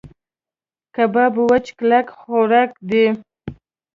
کباب وچ کلک خوراک دی.